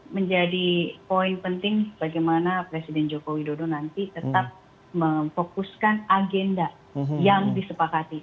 menjadi poin penting bagaimana presiden joko widodo nanti tetap memfokuskan agenda yang disepakati